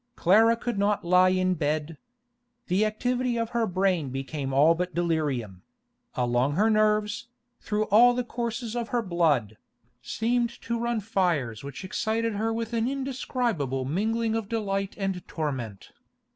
Clara could not lie in bed. The activity of her brain became all but delirium; along her nerves, through all the courses of her blood, seemed to run fires which excited her with an indescribable mingling of delight and torment.